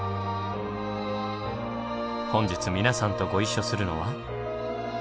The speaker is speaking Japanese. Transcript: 本日皆さんとご一緒するのは。